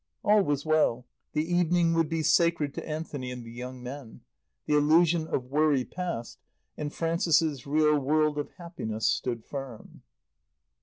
All was well. The evening would be sacred to Anthony and the young men. The illusion of worry passed, and Frances's real world of happiness stood firm.